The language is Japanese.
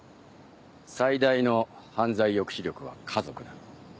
最大の犯罪抑止力は家族だ。